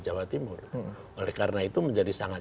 jawa timur oleh karena itu menjadi sangat